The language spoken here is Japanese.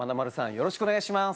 よろしくお願いします。